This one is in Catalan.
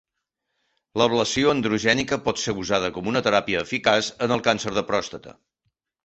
L'ablació androgènica pot ser usada com una teràpia eficaç en el càncer de pròstata.